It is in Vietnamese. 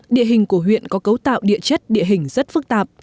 địa hình của huyện có cấu tạo địa chất địa hình rất phức tạp